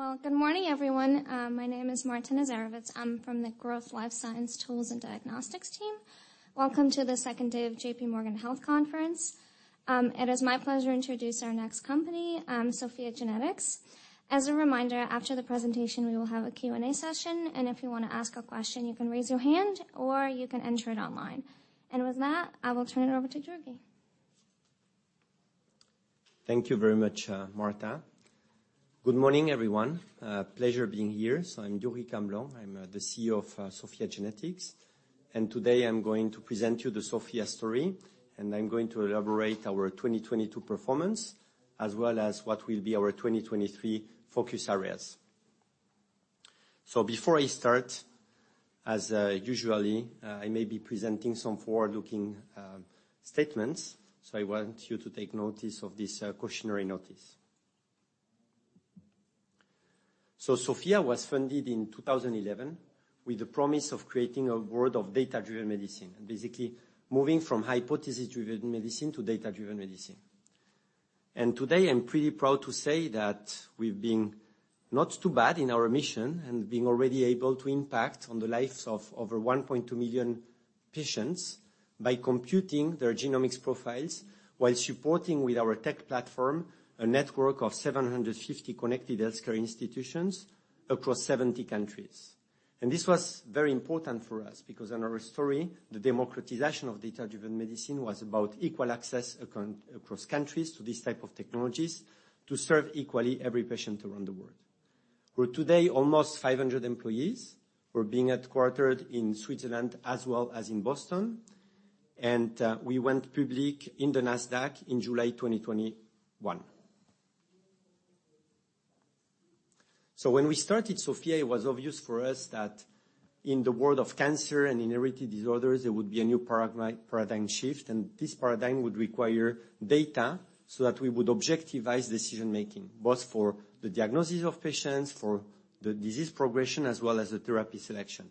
All right. Well, good morning, everyone. My name is Marta Nazarovets. I'm from the Growth Life Science, Tools and Diagnostics team. Welcome to the second day of JPMorgan Health Conference. It is my pleasure to introduce our next company, SOPHiA GENETICS. As a reminder, after the presentation, we will have a Q&A session, and if you wanna ask a question, you can raise your hand or you can enter it online. With that, I will turn it over to Jurgi. Thank you very much, Marta. Good morning, everyone. Pleasure being here. I'm Jurgi Camblong. I'm the CEO of SOPHiA GENETICS, and today I'm going to present you the SOPHiA story, and I'm going to elaborate our 2022 performance as well as what will be our 2023 focus areas. Before I start, as usually, I may be presenting some forward-looking statements, so I want you to take notice of this cautionary notice. SOPHiA was funded in 2011 with the promise of creating a world of data-driven medicine. Basically moving from hypothesis-driven medicine to data-driven medicine. Today, I'm pretty proud to say that we've been not too bad in our mission and being already able to impact on the lives of over 1.2 million patients by computing their genomics profiles while supporting with our tech platform a network of 750 connected healthcare institutions across 70 countries. This was very important for us because in our story, the democratization of data-driven medicine was about equal access across countries to these type of technologies to serve equally every patient around the world. We're today almost 500 employees. We're being headquartered in Switzerland as well as in Boston. We went public in the Nasdaq in July 2021. When we started SOPHiA, it was obvious for us that in the world of cancer and inherited disorders, there would be a new paradigm shift, and this paradigm would require data so that we would objectivize decision-making, both for the diagnosis of patients, for the disease progression, as well as the therapy selection.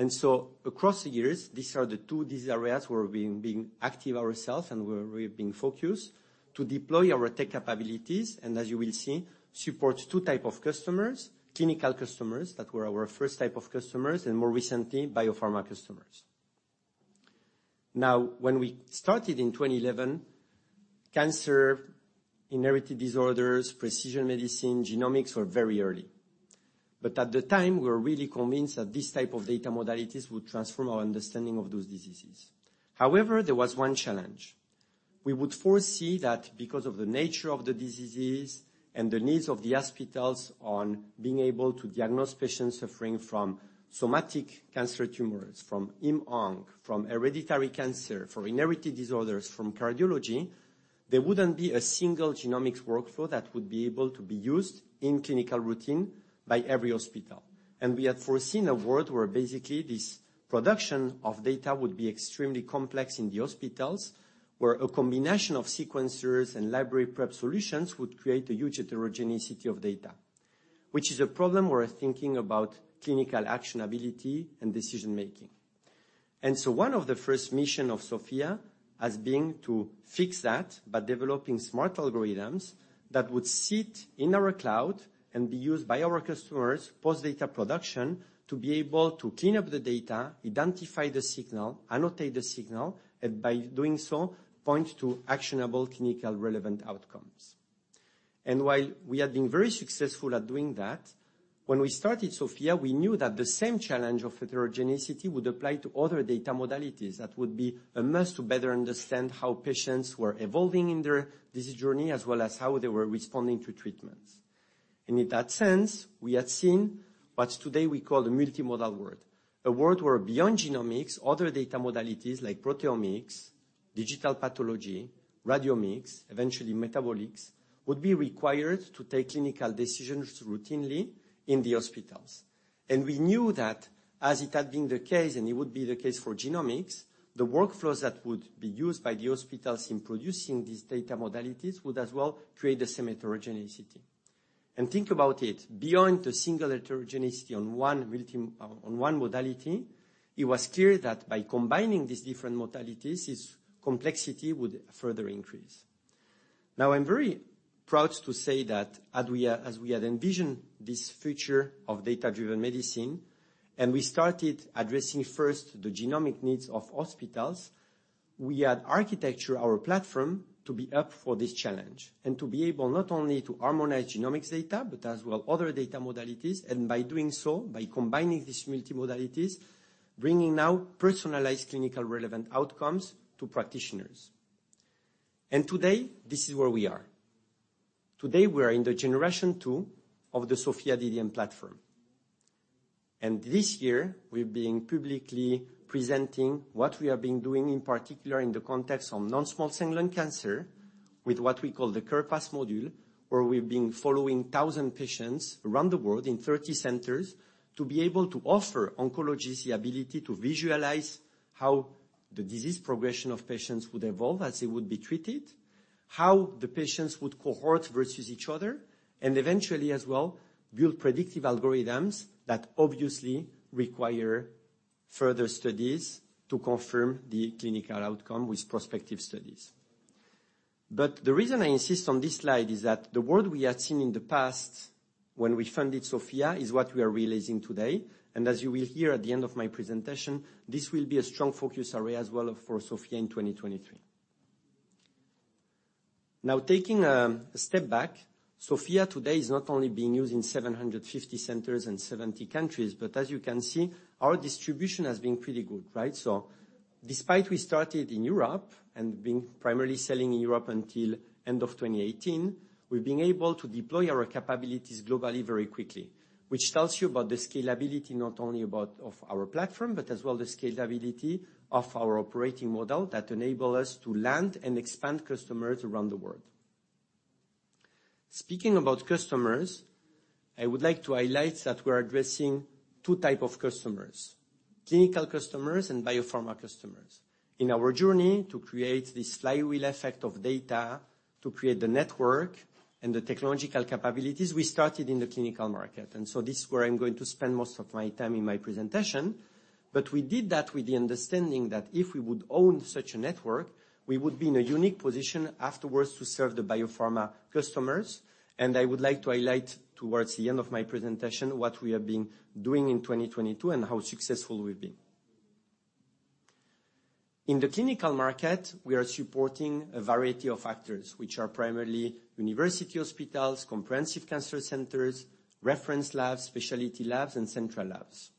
Across the years, these are the two disease areas where we're being active ourselves and where we're being focused to deploy our tech capabilities and as you will see, supports two type of customers, clinical customers that were our first type of customers, and more recently, biopharma customers. When we started in 2011, cancer, inherited disorders, precision medicine, genomics were very early. At the time, we were really convinced that this type of data modalities would transform our understanding of those diseases. However, there was one challenge. We would foresee that because of the nature of the diseases and the needs of the hospitals on being able to diagnose patients suffering from somatic cancer tumors, from Imm Onc, from hereditary cancer, from inherited disorders, from cardiology, there wouldn't be a single genomics workflow that would be able to be used in clinical routine by every hospital. We had foreseen a world where basically this production of data would be extremely complex in the hospitals, where a combination of sequencers and library prep solutions would create a huge heterogeneity of data, which is a problem we're thinking about clinical actionability and decision-making. One of the first mission of SOPHiA has been to fix that by developing smart algorithms that would sit in our cloud and be used by our customers, post data production, to be able to clean up the data, identify the signal, annotate the signal, and by doing so, point to actionable clinical relevant outcomes. While we have been very successful at doing that, when we started SOPHiA, we knew that the same challenge of heterogeneity would apply to other data modalities. That would be a must to better understand how patients were evolving in their disease journey, as well as how they were responding to treatments. In that sense, we had seen what today we call the multimodal world. A world where beyond genomics, other data modalities like proteomics, digital pathology, radiomics, eventually metabolomics, would be required to take clinical decisions routinely in the hospitals. We knew that as it had been the case and it would be the case for genomics, the workflows that would be used by the hospitals in producing these data modalities would as well create a same heterogeneity. Think about it, beyond the single heterogeneity on one modality, it was clear that by combining these different modalities, its complexity would further increase. Now, I'm very proud to say that as we had envisioned this future of data-driven medicine, and we started addressing first the genomic needs of hospitals, we had architecture our platform to be up for this challenge, and to be able not only to harmonize genomics data, but as well other data modalities. By doing so, by combining these multi modalities, bringing now personalized clinical relevant outcomes to practitioners. Today, this is where we are. Today, we are in the generation 2 of the SOPHiA DDM platform. This year, we've been publicly presenting what we have been doing, in particular in the context of non-small cell lung cancer with what we call the CarePath module, where we've been following 1,000 patients around the world in 30 centers to be able to offer oncologists the ability to visualize how the disease progression of patients would evolve as they would be treated, how the patients would cohort versus each other, and eventually as well, build predictive algorithms that obviously require further studies to confirm the clinical outcome with prospective studies. The reason I insist on this slide is that the world we had seen in the past when we funded SOPHiA is what we are releasing today. As you will hear at the end of my presentation, this will be a strong focus area as well for SOPHiA in 2023. Now taking a step back, SOPHiA today is not only being used in 750 centers in 70 countries, but as you can see, our distribution has been pretty good, right? Despite we started in Europe and been primarily selling in Europe until end of 2018, we've been able to deploy our capabilities globally very quickly, which tells you about the scalability not only of our platform, but as well the scalability of our operating model that enable us to land and expand customers around the world. Speaking about customers, I would like to highlight that we're addressing two type of customers, clinical customers and biopharma customers. In our journey to create this flywheel effect of data, to create the network and the technological capabilities, we started in the clinical market. This is where I'm going to spend most of my time in my presentation. We did that with the understanding that if we would own such a network, we would be in a unique position afterwards to serve the biopharma customers. I would like to highlight towards the end of my presentation what we have been doing in 2022 and how successful we've been. In the clinical market, we are supporting a variety of actors, which are primarily university hospitals, comprehensive cancer centers, reference labs, specialty labs, and central labs.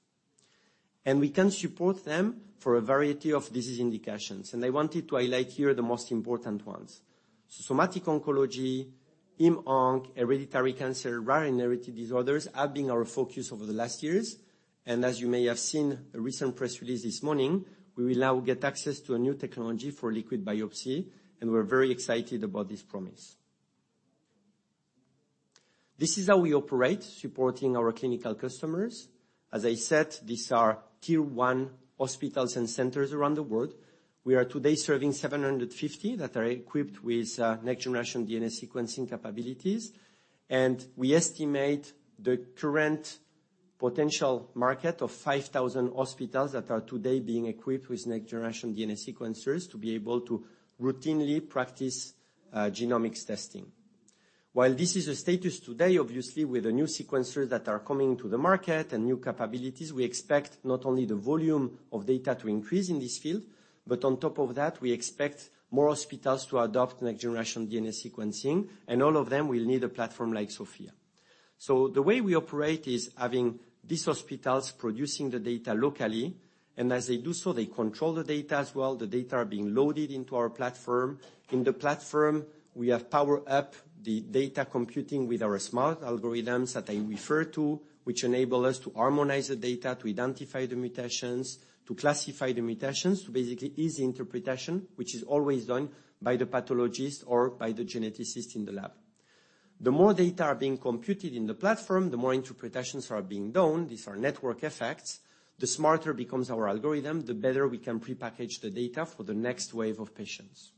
We can support them for a variety of disease indications, and I wanted to highlight here the most important ones. Somatic oncology, Imm Onc, hereditary cancer, rare and inherited disorders have been our focus over the last years. As you may have seen a recent press release this morning, we will now get access to a new technology for liquid biopsy, and we're very excited about this promise. This is how we operate supporting our clinical customers. As I said, these are tier one hospitals and centers around the world. We are today serving 750 that are equipped with next-generation DNA sequencing capabilities. We estimate the current potential market of 5,000 hospitals that are today being equipped with next-generation DNA sequencers to be able to routinely practice genomics testing. While this is a status today, obviously with the new sequencers that are coming to the market and new capabilities, we expect not only the volume of data to increase in this field, but on top of that, we expect more hospitals to adopt next-generation DNA sequencing, and all of them will need a platform like SOPHiA. The way we operate is having these hospitals producing the data locally, and as they do so, they control the data as well. The data are being loaded into our platform. In the platform, we have powered up the data computing with our smart algorithms that I refer to, which enable us to harmonize the data, to identify the mutations, to classify the mutations, to basically ease interpretation, which is always done by the pathologist or by the geneticist in the lab. The more data are being computed in the platform, the more interpretations are being done, these are network effects, the smarter becomes our algorithm, the better we can prepackage the data for the next wave of patients.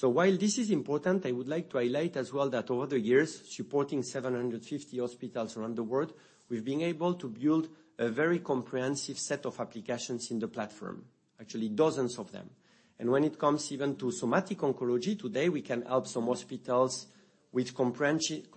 While this is important, I would like to highlight as well that over the years, supporting 750 hospitals around the world, we've been able to build a very comprehensive set of applications in the platform, actually dozens of them. When it comes even to somatic oncology, today we can help some hospitals with comprehensive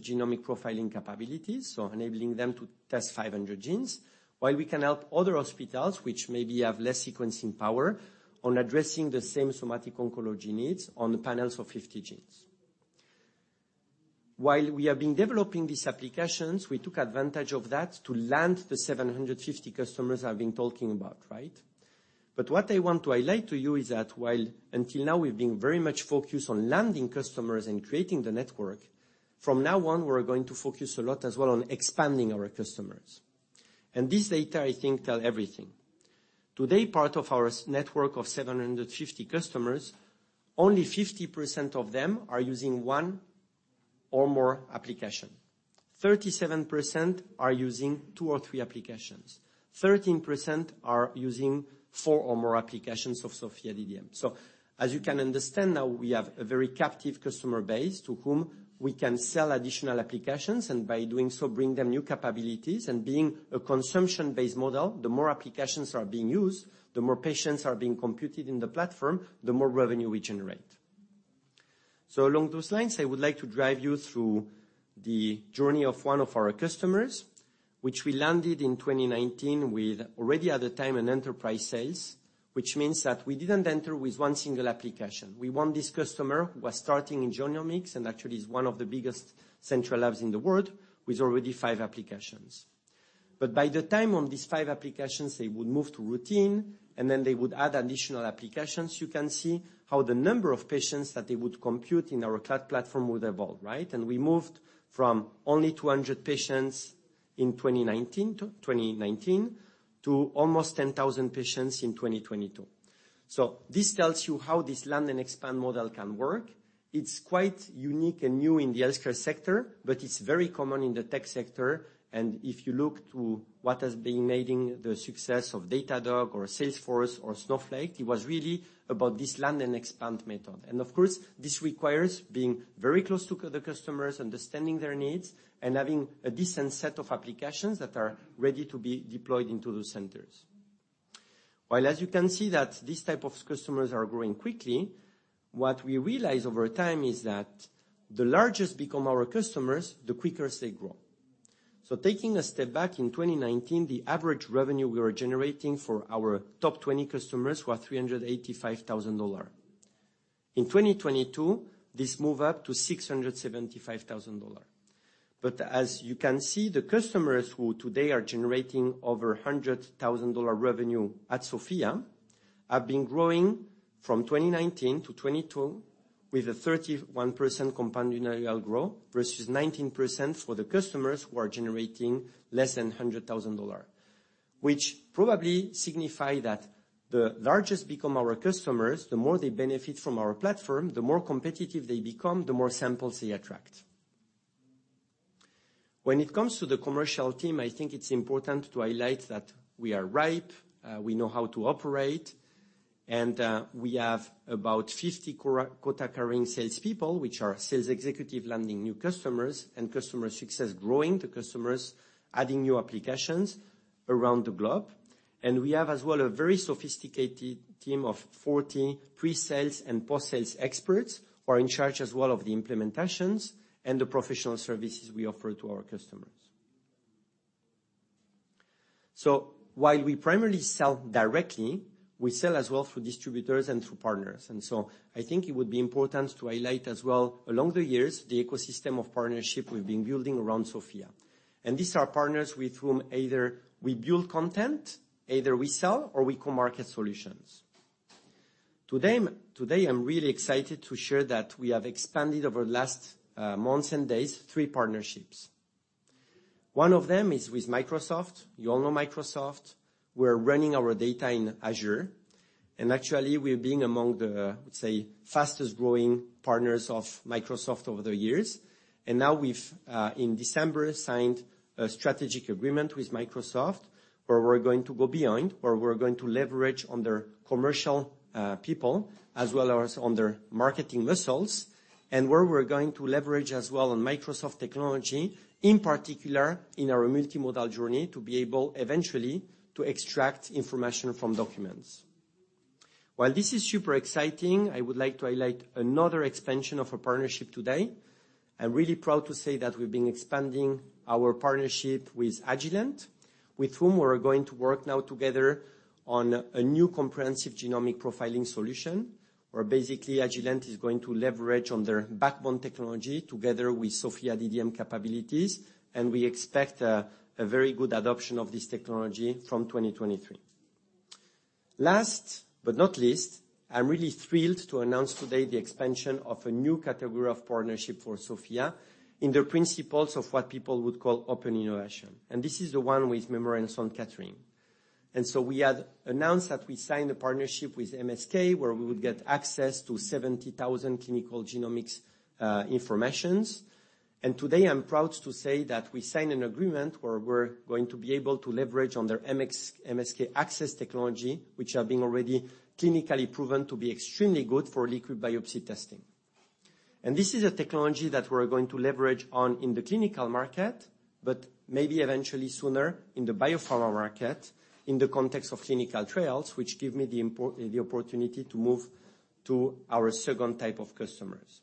genomic profiling capabilities, so enabling them to test 500 genes, while we can help other hospitals which maybe have less sequencing power on addressing the same somatic oncology needs on the panels of 50 genes. While we have been developing these applications, we took advantage of that to land the 750 customers I've been talking about, right? What I want to highlight to you is that while until now we've been very much focused on landing customers and creating the network, from now on, we're going to focus a lot as well on expanding our customers. This data, I think, tell everything. Today, part of our network of 750 customers, only 50% of them are using one or more application. 37% are using two or three applications. 13% are using four or more applications of SOPHiA DDM. As you can understand now, we have a very captive customer base to whom we can sell additional applications, and by doing so, bring them new capabilities. Being a consumption-based model, the more applications are being used, the more patients are being computed in the platform, the more revenue we generate. Along those lines, I would like to drive you through the journey of one of our customers, which we landed in 2019 with already at the time an enterprise sales, which means that we didn't enter with one single application. We won this customer who was starting in genomics, and actually is one of the biggest central labs in the world with already five applications. By the time on these five applications, they would move to routine, and then they would add additional applications. You can see how the number of patients that they would compute in our cloud platform would evolve, right? We moved from only 200 patients in 2019 to almost 10,000 patients in 2022. This tells you how this land and expand model can work. It's quite unique and new in the healthcare sector, but it's very common in the tech sector. If you look to what has been making the success of Datadog or Salesforce or Snowflake, it was really about this land and expand method. Of course, this requires being very close to the customers, understanding their needs, and having a decent set of applications that are ready to be deployed into those centers. As you can see that these type of customers are growing quickly, what we realize over time is that the largest become our customers, the quicker they grow. Taking a step back, in 2019, the average revenue we were generating for our top 20 customers were $385,000. In 2022, this move up to $675,000. As you can see, the customers who today are generating over $100,000 revenue at SOPHiA have been growing from 2019 to 2022, with a 31% compound annual growth, versus 19% for the customers who are generating less than $100,000. Which probably signify that the largest become our customers, the more they benefit from our platform, the more competitive they become, the more samples they attract. When it comes to the commercial team, I think it's important to highlight that we are ripe, we know how to operate, and we have about 50 quota-carrying salespeople, which are sales executive landing new customers and customer success growing the customers, adding new applications around the globe. We have as well, a very sophisticated team of 40 pre-sales and post-sales experts who are in charge as well of the implementations and the professional services we offer to our customers. While we primarily sell directly, we sell as well through distributors and through partners. I think it would be important to highlight as well along the years, the ecosystem of partnership we've been building around SOPHiA. These are partners with whom either we build content, either we sell or we co-market solutions. Today, I'm really excited to share that we have expanded over last months and days, three partnerships. One of them is with Microsoft. You all know Microsoft. We're running our data in Azure, and actually we're being among the, let's say, fastest growing partners of Microsoft over the years. Now we've in December signed a strategic agreement with Microsoft, where we're going to go beyond, where we're going to leverage on their commercial people as well as on their marketing muscles, and where we're going to leverage as well on Microsoft technology, in particular in our multimodal journey, to be able eventually to extract information from documents. This is super exciting, I would like to highlight another expansion of a partnership today. I'm really proud to say that we've been expanding our partnership with Agilent, with whom we're going to work now together on a new comprehensive genomic profiling solution, where basically Agilent is going to leverage on their backbone technology together with SOPHiA DDM capabilities. We expect a very good adoption of this technology from 2023. Last but not least, I'm really thrilled to announce today the expansion of a new category of partnership for SOPHiA in the principles of what people would call open innovation. This is the one with Memorial Sloan Kettering. We had announced that we signed a partnership with MSK, where we would get access to 70,000 clinical genomics informations. Today, I'm proud to say that we signed an agreement where we're going to be able to leverage on their MSK-ACCESS technology, which are being already clinically proven to be extremely good for liquid biopsy testing. This is a technology that we're going to leverage on in the clinical market, but maybe eventually sooner in the biopharma market, in the context of clinical trials, which give me the opportunity to move to our second type of customers.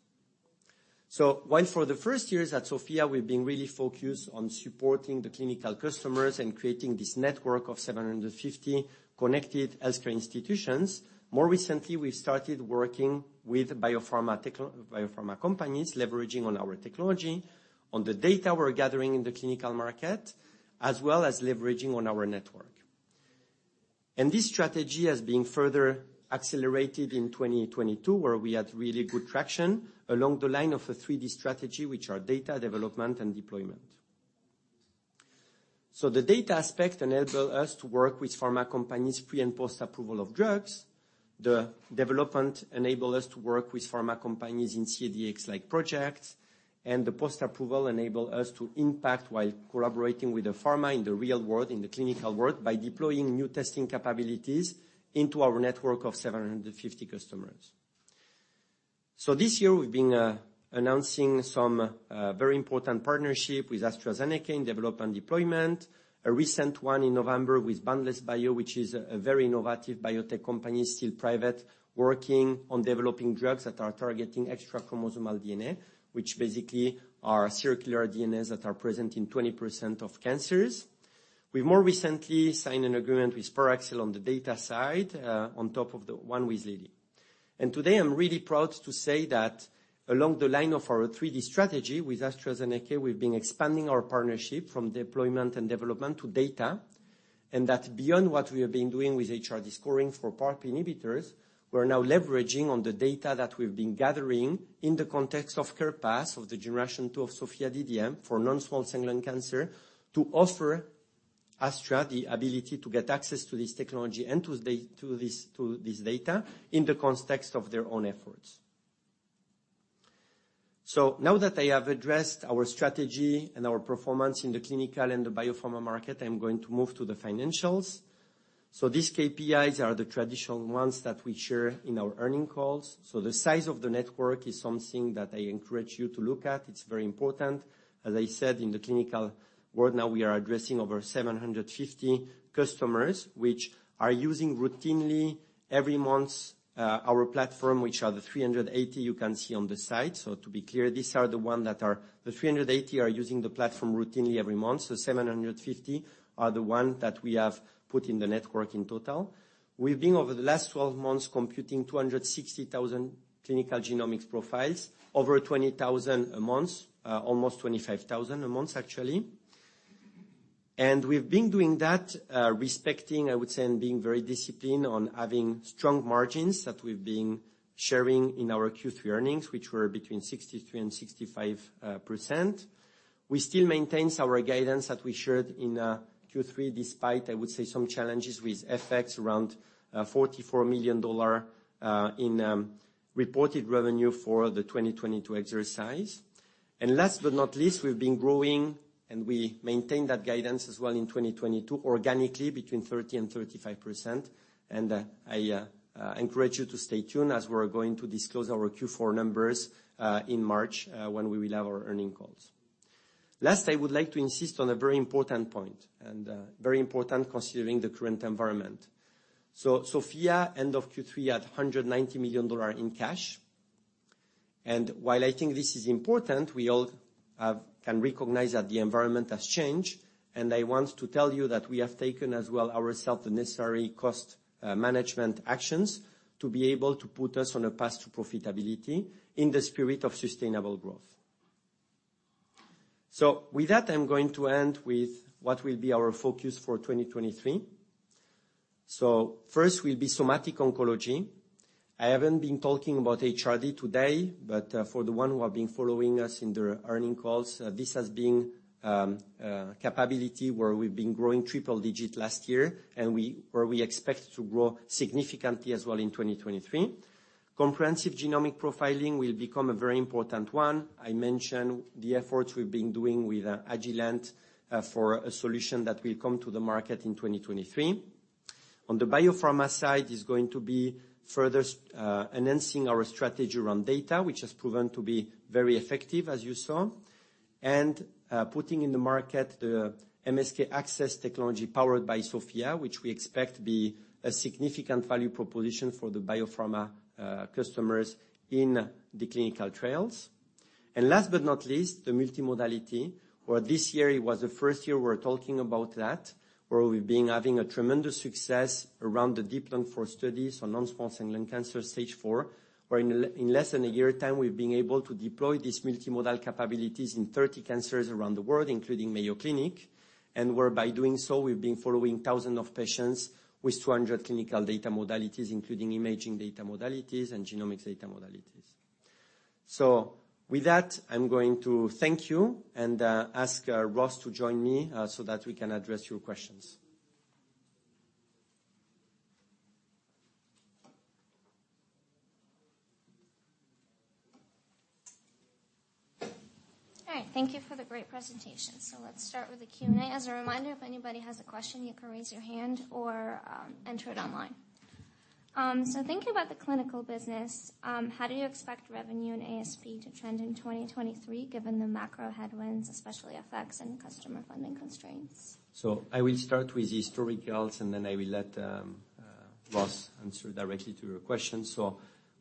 While for the first years at SOPHiA, we've been really focused on supporting the clinical customers and creating this network of 750 connected healthcare institutions, more recently, we've started working with biopharma companies, leveraging on our technology, on the data we're gathering in the clinical market, as well as leveraging on our network. This strategy has been further accelerated in 2022, where we had really good traction along the line of a 3D strategy, which are data, development, and deployment. The data aspect enable us to work with pharma companies pre and post-approval of drugs. The development enable us to work with pharma companies in CDX-like projects, and the post-approval enable us to impact while collaborating with the pharma in the real world, in the clinical world, by deploying new testing capabilities into our network of 750 customers. This year we've been announcing some very important partnership with AstraZeneca in development deployment. A recent one in November with Boundless Bio, which is a very innovative biotech company, still private, working on developing drugs that are targeting extrachromosomal DNA, which basically are circular DNAs that are present in 20% of cancers. We've more recently signed an agreement with [SpurAxle] on the data side, on top of the one with Lily. Today, I'm really proud to say that along the line of our 3D strategy with AstraZeneca, we've been expanding our partnership from deployment and development to data. Beyond what we have been doing with HRD scoring for PARP inhibitors, we're now leveraging on the data that we've been gathering in the context of CarePaths of the generation tool of SOPHiA DDM for non-small cell lung cancer to offer Astra the ability to get access to this technology and to this data in the context of their own efforts. Now that I have addressed our strategy and our performance in the clinical and the biopharma market, I'm going to move to the financials. These KPIs are the traditional ones that we share in our earnings calls. The size of the network is something that I encourage you to look at. It's very important. As I said, in the clinical world, now we are addressing over 750 customers which are using routinely every month, our platform, which are the 380 you can see on the side. To be clear, the 380 are using the platform routinely every month. The 750 are the one that we have put in the network in total. We've been over the last 12 months computing 260,000 clinical genomics profiles, over 20,000 a month, almost 25,000 a month actually. We've been doing that, respecting, I would say, and being very disciplined on having strong margins that we've been sharing in our Q3 earnings, which were between 63% and 65%. We still maintain our guidance that we shared in Q3, despite I would say some challenges with FX around $44 million in reported revenue for the 2022 exercise. Last but not least, we've been growing, and we maintain that guidance as well in 2022 organically between 30% and 35%. I encourage you to stay tuned as we're going to disclose our Q4 numbers in March, when we will have our earning calls. Last, I would like to insist on a very important point and very important considering the current environment. SOPHiA end of Q3 at $190 million in cash. While I think this is important, we all can recognize that the environment has changed, and I want to tell you that we have taken as well ourself the necessary cost management actions to be able to put us on a path to profitability in the spirit of sustainable growth. With that, I'm going to end with what will be our focus for 2023. First will be somatic oncology. I haven't been talking about HRD today, but for the one who have been following us in the earnings calls, this has been a capability where we've been growing triple-digit last year or we expect to grow significantly as well in 2023. Comprehensive genomic profiling will become a very important one. I mentioned the efforts we've been doing with Agilent for a solution that will come to the market in 2023. On the biopharma side is going to be further enhancing our strategy around data, which has proven to be very effective as you saw. Putting in the market the MSK-ACCESS technology powered by SOPHiA, which we expect to be a significant value proposition for the biopharma customers in the clinical trials. Last but not least, the multimodality, where this year it was the first year we're talking about that, where we've been having a tremendous success around the DEEP-Lung-IV studies on non-small cell lung cancer stage 4. Where in less than a year time, we've been able to deploy these multimodal capabilities in 30 cancers around the world, including Mayo Clinic. Where by doing so, we've been following thousands of patients with 200 clinical data modalities, including imaging data modalities and genomics data modalities. With that, I'm going to thank you and ask Ross to join me so that we can address your questions. All right. Thank you for the great presentation. Let's start with the Q&A. As a reminder, if anybody has a question, you can raise your hand or enter it online. Thinking about the clinical business, how do you expect revenue and ASP to trend in 2023 given the macro headwinds, especially FX and customer funding constraints? I will start with historicals, and then I will let Ross answer directly to your question.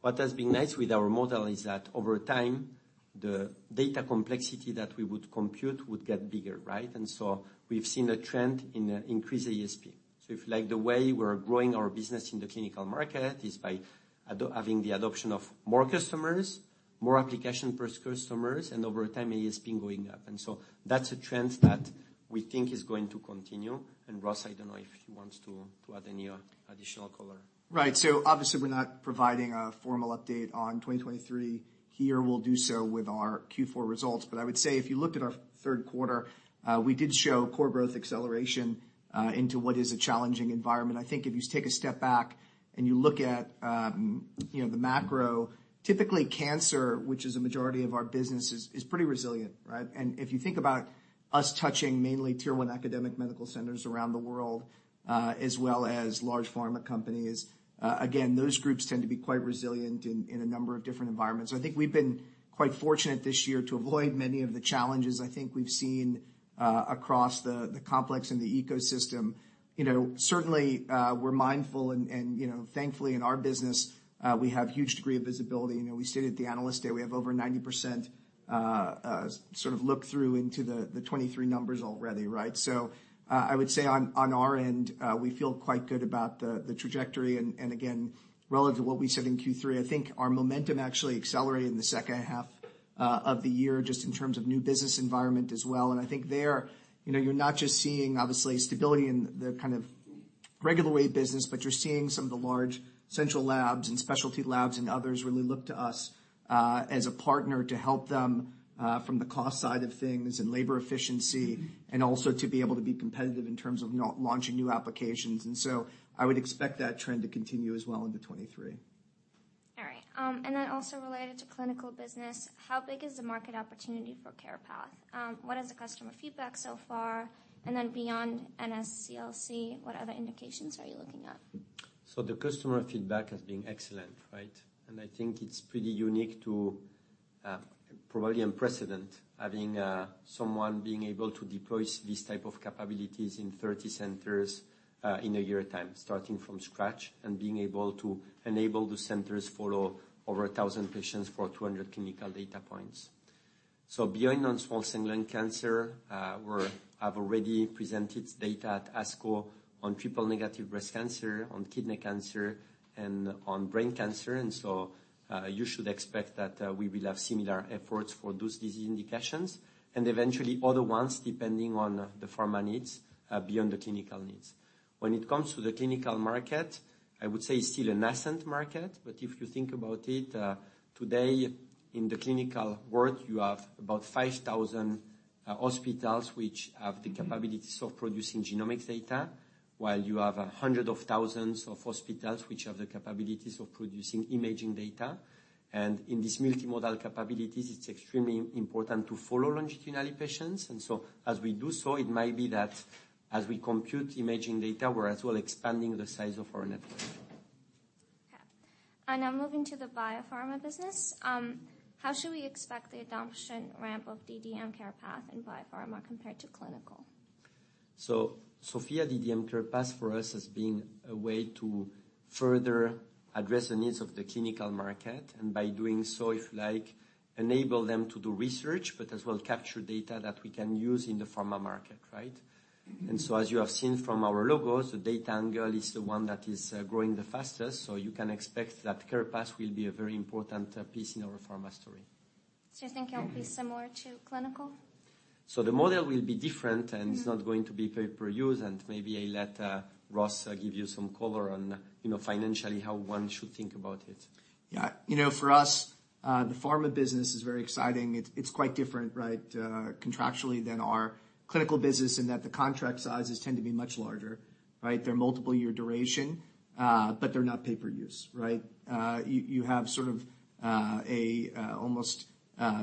What has been nice with our model is that over time, the data complexity that we would compute would get bigger, right? We've seen a trend in increased ASP. If you like the way we're growing our business in the clinical market is by having the adoption of more customers, more application per customers, and over time ASP going up. That's a trend that we think is going to continue. Ross, I don't know if you wants to add any additional color. Right. Obviously, we're not providing a formal update on 2023 here. We'll do so with our Q4 results. I would say if you looked at our third quarter, we did show core growth acceleration into what is a challenging environment. I think if you take a step back and you look at, you know, the macro, typically cancer, which is a majority of our business, is pretty resilient, right? If you think about us touching mainly tier one academic medical centers around the world, as well as large pharma companies, again, those groups tend to be quite resilient in a number of different environments. I think we've been quite fortunate this year to avoid many of the challenges I think we've seen across the complex and the ecosystem. You know, certainly, we're mindful and you know, thankfully in our business, we have huge degree of visibility. You know, we stated at the Analyst Day, we have over 90%, sort of look through into the 2023 numbers already, right? I would say on our end, we feel quite good about the trajectory and again, relative to what we said in Q3, I think our momentum actually accelerated in the second half of the year just in terms of new business environment as well. I think there, you know, you're not just seeing obviously stability in the kind of regular way business, but you're seeing some of the large central labs and specialty labs and others really look to us as a partner to help them from the cost side of things and labor efficiency, and also to be able to be competitive in terms of launching new applications. I would expect that trend to continue as well into 2023. All right. Also related to clinical business, how big is the market opportunity for CarePath? What is the customer feedback so far? Beyond NSCLC, what other indications are you looking at? The customer feedback has been excellent, right? I think it's pretty unique to probably unprecedented, having someone being able to deploy these type of capabilities in 30 centers in a year time, starting from scratch and being able to enable the centers follow over 1,000 patients for 200 clinical data points. Beyond non-small cell lung cancer, I've already presented data at ASCO on triple-negative breast cancer, on kidney cancer, and on brain cancer. You should expect that we will have similar efforts for those disease indications and eventually other ones depending on the pharma needs beyond the clinical needs. When it comes to the clinical market, I would say it's still a nascent market, but if you think about it, today in the clinical world, you have about 5,000 hospitals which have the capabilities of producing genomic data, while you have hundreds of thousands of hospitals which have the capabilities of producing imaging data. In this multimodal capabilities, it's extremely important to follow longitudinally patients. As we do so, it might be that as we compute imaging data, we're as well expanding the size of our network. Okay. Now moving to the biopharma business. How should we expect the adoption ramp of DDM CarePath in biopharma compared to clinical? SOPHiA DDM CarePath for us has been a way to further address the needs of the clinical market. By doing so, if you like, enable them to do research, but as well capture data that we can use in the pharma market, right? As you have seen from our logos, the data angle is the one that is growing the fastest. You can expect that CarePath will be a very important piece in our pharma story. You think it'll be similar to clinical? The model will be different. It's not going to be pay per use, and maybe I let Ross give you some color on, you know, financially how one should think about it. Yeah. You know, for us, the pharma business is very exciting. It's quite different, right, contractually than our clinical business in that the contract sizes tend to be much larger, right? They're multiple year duration, but they're not pay-per-use, right? You have sort of a almost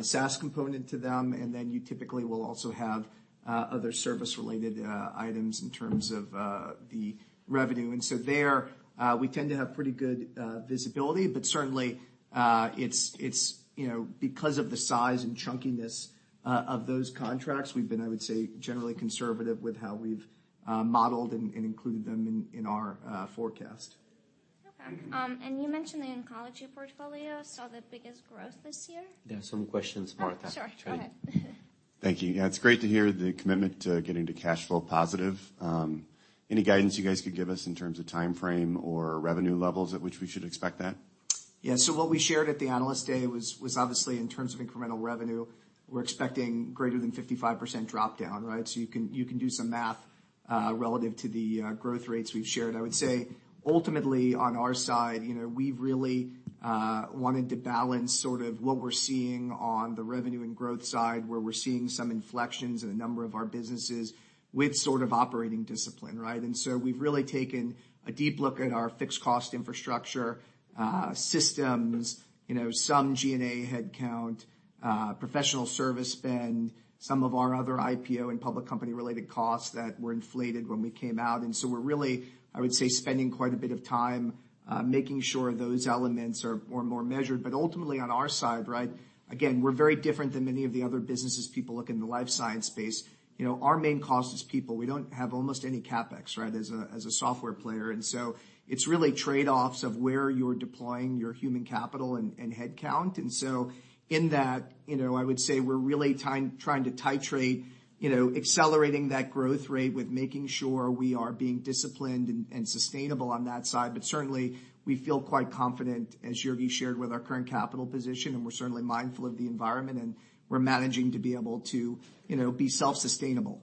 SaaS component to them, and then you typically will also have other service related items in terms of the revenue. There, we tend to have pretty good visibility, but certainly, it's, you know, because of the size and chunkiness of those contracts, we've been, I would say, generally conservative with how we've modeled and included them in our forecast. Okay. You mentioned the oncology portfolio saw the biggest growth this year. There are some questions, Marta. Oh, sorry. Go ahead. Thank you. Yeah, it's great to hear the commitment to getting to cash flow positive. Any guidance you guys could give us in terms of timeframe or revenue levels at which we should expect that? Yeah. What we shared at the Analyst Day was obviously in terms of incremental revenue. We're expecting greater than 55% drop down, right? You can do some math relative to the growth rates we've shared. I would say ultimately on our side, you know, we've really wanted to balance sort of what we're seeing on the revenue and growth side, where we're seeing some inflections in a number of our businesses with sort of operating discipline, right? We've really taken a deep look at our fixed cost infrastructure, systems, you know, some G&A headcount, professional service spend, some of our other IPO and public company related costs that were inflated when we came out. We're really, I would say, spending quite a bit of time making sure those elements are more and more measured. Ultimately on our side, right, again, we're very different than many of the other businesses people look in the life science space. You know, our main cost is people. We don't have almost any CapEx, right, as a software player. It's really trade-offs of where you're deploying your human capital and headcount. In that, you know, I would say we're really trying to titrate, you know, accelerating that growth rate with making sure we are being disciplined and sustainable on that side. Certainly we feel quite confident, as Jurgi shared, with our current capital position, and we're certainly mindful of the environment, and we're managing to be able to, you know, be self-sustainable.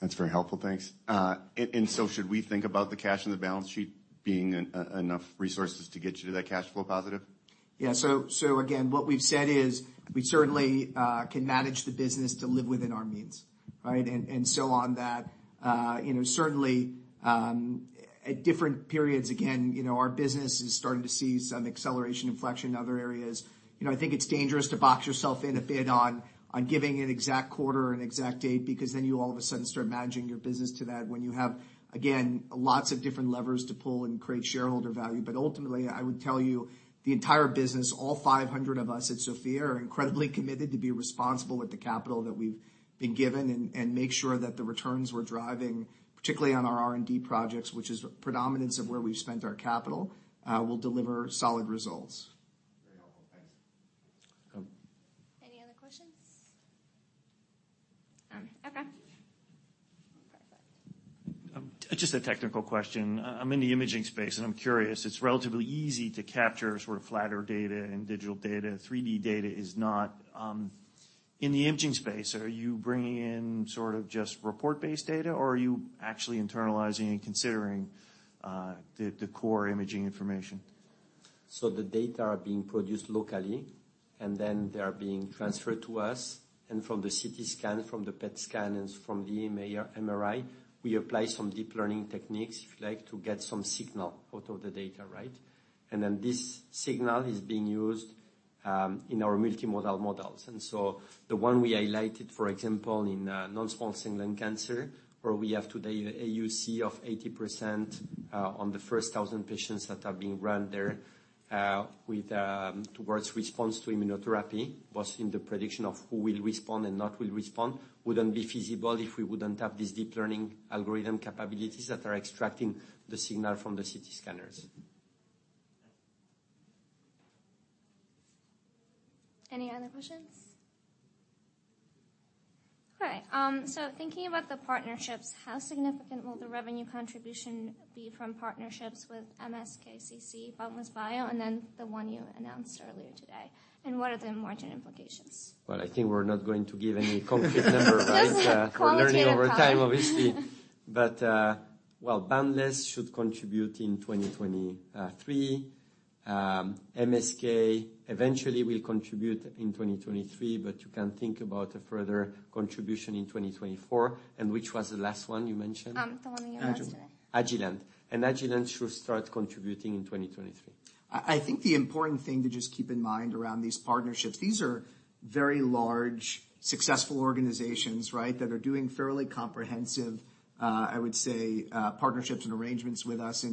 That's very helpful. Thanks. Should we think about the cash on the balance sheet being enough resources to get you to that cash flow positive? Yeah. Again, what we've said is we certainly can manage the business to live within our means, right? On that, you know, certainly, at different periods, again, you know, our business is starting to see some acceleration inflection in other areas. You know, I think it's dangerous to box yourself in a bit on giving an exact quarter and exact date, because then you all of a sudden start managing your business to that when you have, again, lots of different levers to pull and create shareholder value. Ultimately, I would tell you the entire business, all 500 of us at SOPHiA are incredibly committed to be responsible with the capital that we've been given and make sure that the returns we're driving, particularly on our R&D projects, which is predominance of where we've spent our capital, will deliver solid results. Very helpful. Thanks. Any other questions? Okay. Perfect. Just a technical question. I'm in the imaging space, and I'm curious. It's relatively easy to capture sort of flatter data and digital data. 3D data is not. In the imaging space, are you bringing in sort of just report-based data, or are you actually internalizing and considering the core imaging information? The data are being produced locally, and then they are being transferred to us. From the CT scan, from the PET scan, and from the MRI, we apply some deep learning techniques, if you like, to get some signal out of the data, right? This signal is being used in our multimodal models. The one we highlighted, for example, in non-small cell lung cancer, where we have today a AUC of 80% on the first 1,000 patients that are being run there with towards response to immunotherapy, was in the prediction of who will respond and not will respond, wouldn't be feasible if we wouldn't have this deep learning algorithm capabilities that are extracting the signal from the CT scanners. Any other questions? All right. Thinking about the partnerships, how significant will the revenue contribution be from partnerships with MSKCC, Boundless Bio, and then the one you announced earlier today? And what are the margin implications? Well, I think we're not going to give any concrete number, right? Just a qualitative comment. We're learning over time, obviously. Well, Boundless should contribute in 2023. MSK eventually will contribute in 2023, but you can think about a further contribution in 2024. Which was the last one you mentioned? The one you announced today. Agilent. Agilent should start contributing in 2023. I think the important thing to just keep in mind around these partnerships, these are very large, successful organizations, right? That are doing fairly comprehensive, I would say, partnerships and arrangements with us.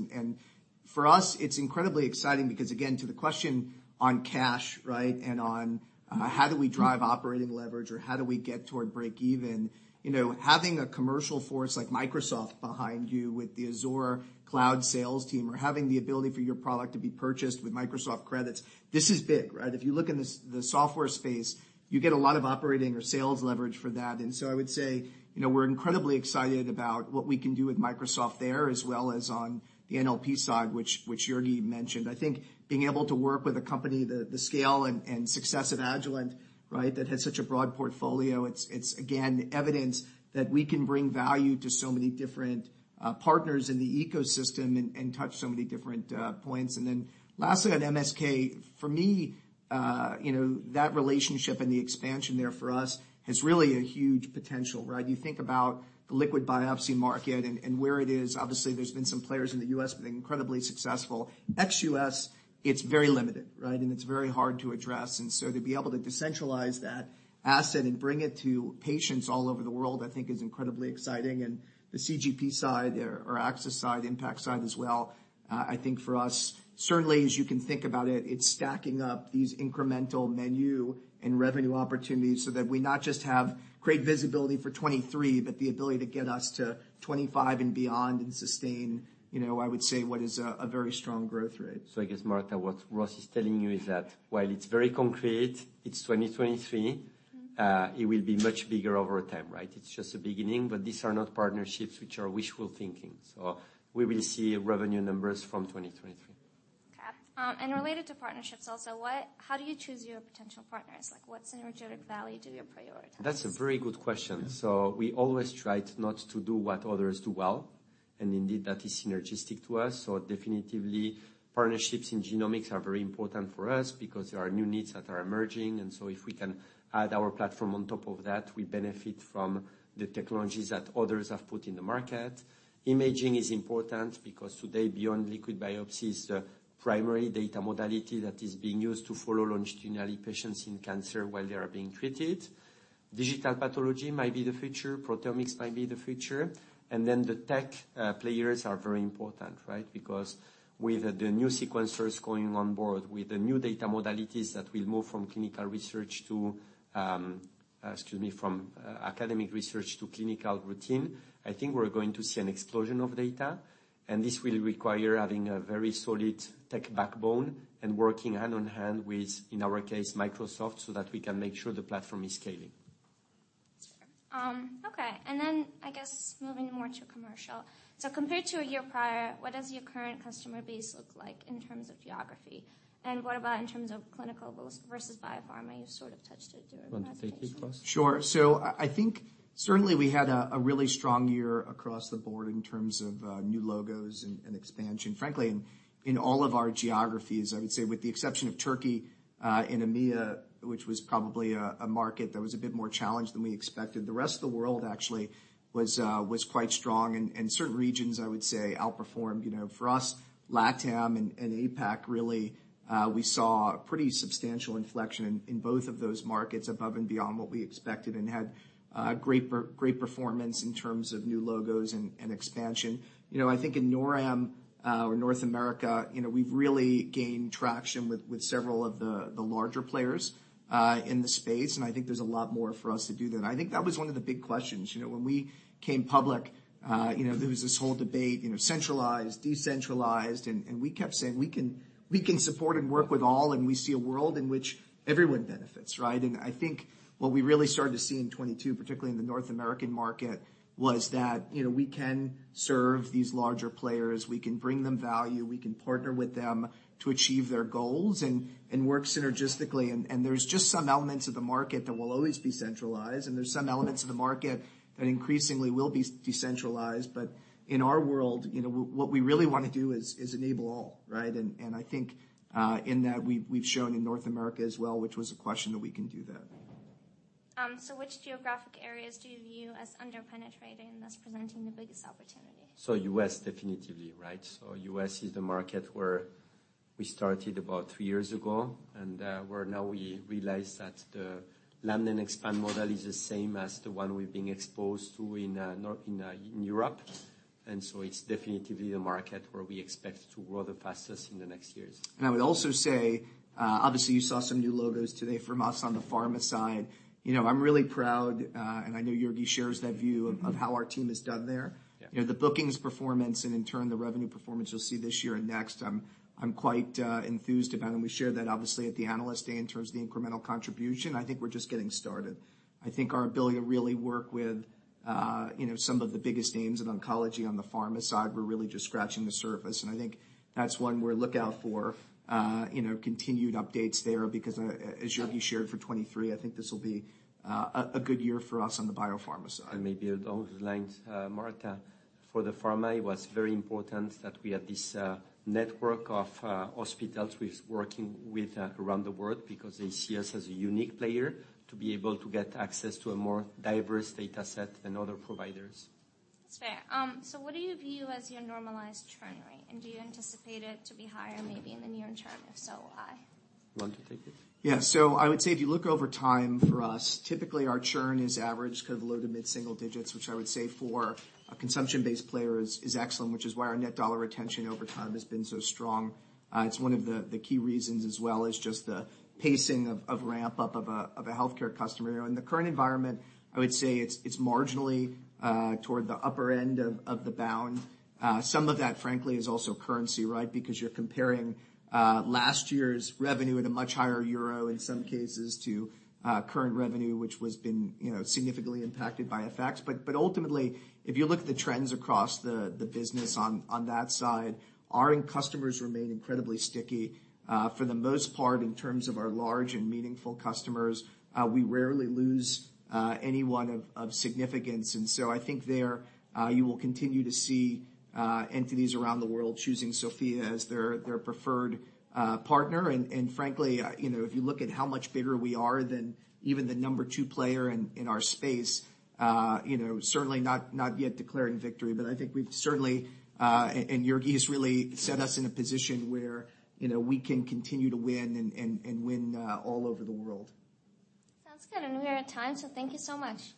For us, it's incredibly exciting because again, to the question on cash, right? On how do we drive operating leverage or how do we get toward break even? You know, having a commercial force like Microsoft behind you with the Azure cloud sales team or having the ability for your product to be purchased with Microsoft credits, this is big, right? If you look in the software space, you get a lot of operating or sales leverage for that. I would say, you know, we're incredibly excited about what we can do with Microsoft there, as well as on the NLP side, which Jurgi mentioned. I think being able to work with a company the scale and success of Agilent, right? That has such a broad portfolio, it's again, evidence that we can bring value to so many different partners in the ecosystem and touch so many different points. Lastly, on MSK, for me, you know, that relationship and the expansion there for us has really a huge potential, right? You think about the liquid biopsy market and where it is. Obviously, there's been some players in the U.S., been incredibly successful. Ex-U.S., it's very limited, right? It's very hard to address. To be able to decentralize that asset and bring it to patients all over the world, I think is incredibly exciting. The CGP side or access side, impact side as well, I think for us, certainly as you can think about it's stacking up these incremental menu and revenue opportunities so that we not just have great visibility for 2023, but the ability to get us to 2025 and beyond and sustain, you know, I would say, what is a very strong growth rate. I guess, Marta, what Ross is telling you is that while it's very concrete, it's 2023, it will be much bigger over time, right? It's just the beginning, but these are not partnerships which are wishful thinking. We will see revenue numbers from 2023. Okay. Related to partnerships also, how do you choose your potential partners? Like what synergetic value do you prioritize? That's a very good question. Yeah. We always try not to do what others do well, and indeed that is synergistic to us. Definitively, partnerships in genomics are very important for us because there are new needs that are emerging, and so if we can add our platform on top of that, we benefit from the technologies that others have put in the market. Imaging is important because today, beyond liquid biopsy is the primary data modality that is being used to follow longitudinally patients in cancer while they are being treated. digital pathology might be the future, proteomics might be the future, the tech players are very important, right? With the new sequencers going on board, with the new data modalities that will move from clinical research to, excuse me, from academic research to clinical routine, I think we're going to see an explosion of data. This will require having a very solid tech backbone and working hand in hand with, in our case, Microsoft, so that we can make sure the platform is scaling. Okay. I guess moving more to commercial. Compared to a year prior, what does your current customer base look like in terms of geography? What about in terms of clinical versus biopharma? You sort of touched it during your presentation. Want to take this, Ross? Sure. I think certainly we had a really strong year across the board in terms of new logos and expansion. Frankly, in all of our geographies, I would say with the exception of Turkey, and EMEA, which was probably a market that was a bit more challenged than we expected, the rest of the world actually was quite strong. Certain regions, I would say, outperformed. You know, for us, LatAm and APAC, really, we saw pretty substantial inflection in both of those markets above and beyond what we expected and had great performance in terms of new logos and expansion. You know, I think in NorAm, or North America, you know, we've really gained traction with several of the larger players in the space. I think there's a lot more for us to do there. I think that was one of the big questions. You know, when we came public, you know, there was this whole debate, you know, centralized, decentralized, and we kept saying, we can support and work with all, and we see a world in which everyone benefits, right? I think what we really started to see in 2022, particularly in the North American market, was that, you know, we can serve these larger players. We can bring them value. We can partner with them to achieve their goals and work synergistically. There's just some elements of the market that will always be centralized, and there's some elements of the market that increasingly will be decentralized. In our world, you know, what we really wanna do is enable all, right? I think in that we've shown in North America as well, which was a question that we can do that. Which geographic areas do you view as under-penetrated and thus presenting the biggest opportunity? U.S. definitely, right? U.S. is the market where we started about three years ago, where now we realize that the land and expand model is the same as the one we've been exposed to in Europe. It's definitely the market where we expect to grow the fastest in the next years. I would also say, obviously you saw some new logos today from us on the pharma side. You know, I'm really proud, and I know Jurgi shares that view of how our team has done there. Yeah. You know, the bookings performance and in turn the revenue performance you'll see this year and next, I'm quite enthused about, and we shared that obviously at the Analyst Day, in terms of the incremental contribution. I think we're just getting started. I think our ability to really work with, you know, some of the biggest names in oncology on the pharma side, we're really just scratching the surface. I think that's one where look out for, you know, continued updates there because, as Jurgi shared for 2023, I think this will be a good year for us on the biopharma side. Maybe along the lines, Marta, for the pharma, it was very important that we had this network of hospitals with working with around the world because they see us as a unique player to be able to get access to a more diverse data set than other providers. That's fair. What do you view as your normalized churn rate? Do you anticipate it to be higher maybe in the near term? If so, why? You want to take it? Yeah. I would say if you look over time for us, typically our churn is average, kind of low to mid-single digits, which I would say for a consumption-based player is excellent, which is why our net dollar retention over time has been so strong. It's one of the key reasons as well is just the pacing of ramp-up of a healthcare customer. You know, in the current environment, I would say it's marginally toward the upper end of the bound. Some of that frankly, is also currency, right? Because you're comparing last year's revenue at a much higher EUR in some cases to current revenue, which was been, you know, significantly impacted by FX. Ultimately, if you look at the trends across the business on that side, our customers remain incredibly sticky. For the most part in terms of our large and meaningful customers, we rarely lose anyone of significance. I think there, you will continue to see entities around the world choosing SOPHiA as their preferred partner. Frankly, you know, if you look at how much bigger we are than even the number two player in our space, you know, certainly not yet declaring victory, but I think we've certainly, and Jurgi has really set us in a position where, you know, we can continue to win and win all over the world. Sounds good. We are at time. Thank you so much.